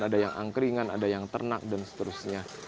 ada yang angkringan ada yang ternak dan seterusnya